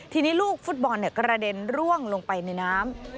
ทีนี้ลูกฟุตบอลกระเด็นร่วงลงไปในน้ำ